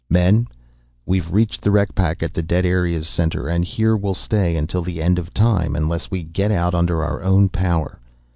"Men, we've reached the wreck pack at the dead area's center, and here we'll stay until the end of time unless we get out under our own power.